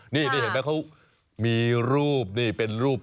นี่เห็นไหมเขามีรูปนี่เป็นรูป